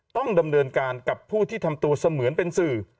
ต้องดำเนินการกับผู้ที่ทำตัวเสมือนเป็นสื่อ